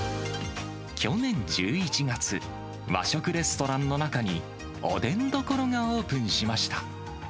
去年１１月、和食レストランの中に、おでん処がオープンしました。